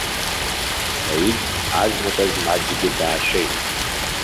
Саид азныказ маҷкгьы даашәеит.